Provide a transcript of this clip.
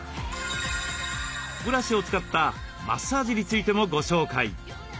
ブラシを使ったマッサージについてもご紹介。